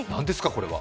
これは。